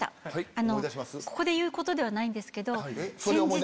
ここで言うことではないんですけど先日。